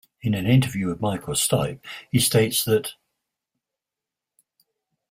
In an interview with Michael Stipe, he states that: ...